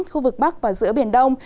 khu vực bắc và giữa biển đông